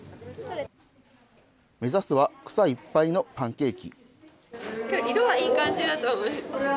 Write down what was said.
目指すは草いっぱいのパンケーキ。